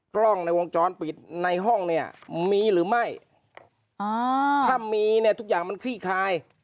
กล้องในวงจรปิดในห้องเนี่ยมีหรือไม่ถ้ามีเนี่ยทุกอย่างมันคลี่คลาย